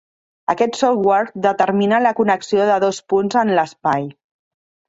Aquest software determina la connexió de dos punts en l'espai.